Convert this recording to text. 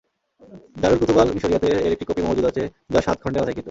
দারুল কুতুব আল-মিসরিয়াতে এর একটি কপি মওজুদ আছে যা সাত খণ্ডে বাঁধাইকৃত।